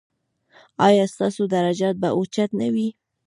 ایا ستاسو درجات به اوچت نه وي؟